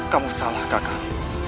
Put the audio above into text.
kamu salah kakak